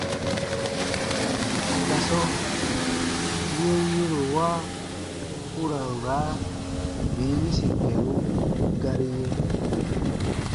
Gasɔ yɛnyɛ̃rowa u ra n raa bin yĩsi kɛ̃run gari yɛ̃.